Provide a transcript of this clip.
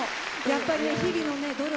やっぱりね日々のね努力。